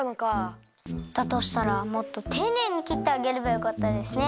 だとしたらもっとていねいにきってあげればよかったですね。